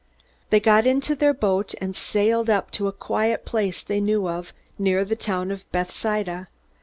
They got into their boat, and sailed up to a quiet place they knew of, near the town of Bethsaida.